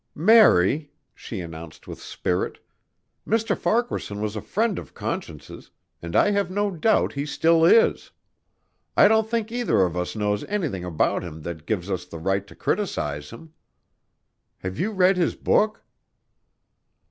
"Mary," she announced with spirit, "Mr. Farquaharson was a friend of Conscience's and I have no doubt he still is. I don't think either of us knows anything about him that gives us the right to criticize him. Have you read his book?"